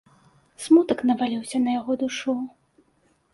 Смутак наваліўся на яго душу.